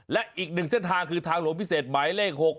และอีกหนึ่งเส้นทางคือทางหลวงพิเศษหมายเลข๖